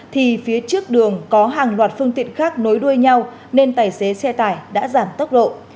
thì phía trước đường có hàng loạt phương tiện khác nối đuôi nhau nên tài xế xe tải đã giảm tốc độ